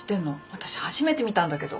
私初めて見たんだけど。